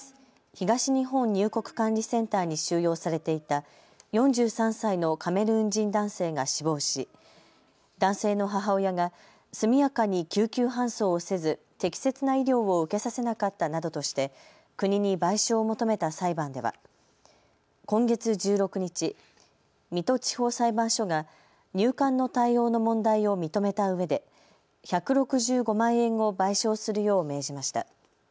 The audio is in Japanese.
東日本入国管理センターに収容されていた４３歳のカメルーン人男性が死亡し男性の母親が速やかに救急搬送をせず適切な医療を受けさせなかったなどとして国に賠償を求めた裁判では今月１６日、水戸地方裁判所が入管の対応の問題を認めたうえで１６５万円を賠償するよう命じました。